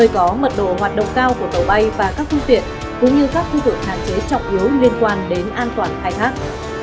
có mật độ hoạt động cao của tàu bay và các phương tiện cũng như các khu vực hạn chế trọng yếu liên quan đến an toàn khai thác